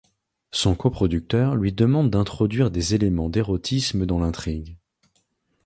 Son co-producteur lui demande d'introduire des éléments d'érotisme dans l'intrigue.